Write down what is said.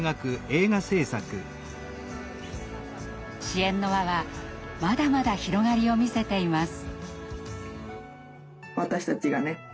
支援の輪はまだまだ広がりを見せています。